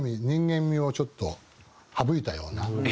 人間味をちょっと省いたような。